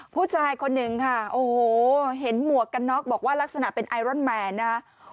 ผู้ชายคนหนึ่งค่ะโอ้โหเห็นหมวกกันน็อกบอกว่าลักษณะเป็นไอรอนแมนนะครับ